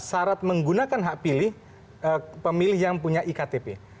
syarat menggunakan hak pilih pemilih yang punya iktp